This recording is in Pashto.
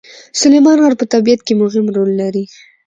سلیمان غر په طبیعت کې مهم رول لري.